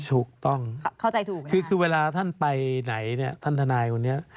ถูกต้องคือเวลาท่านไปไหนท่านทนายวันนี้ค่ะ